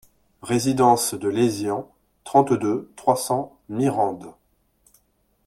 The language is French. Résidence de Lézian, trente-deux, trois cents Mirande